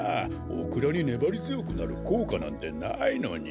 オクラにねばりづよくなるこうかなんてないのに。